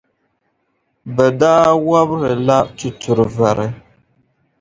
Bɛ daa wɔbiri la tuturi vari.